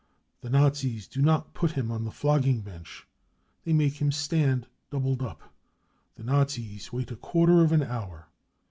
The < Nazis ^o not put him on the flogging bench ; they make f ^lim stand doubled up. The Nazis wait a quarter of an f hour.